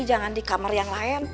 jangan di kamar yang lain